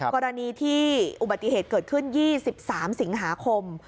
กรณีที่อุบัติเหตุเกิดขึ้น๒๓สิงหาคม